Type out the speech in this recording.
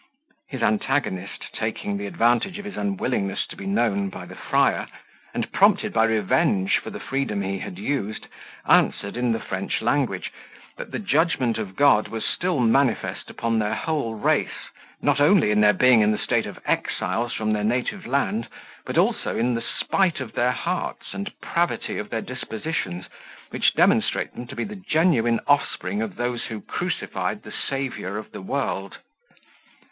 His antagonist, taking the advantage of his unwillingness to be known by the friar, and prompted by revenge for the freedom he had used, answered, in the French language, that the judgment of God was still manifest upon their whole race, not only in their being in the state of exiles from their native land, but also in the spite of their hearts and pravity of their dispositions, which demonstrate them to be the genuine offspring of those who crucified the Saviour of the world.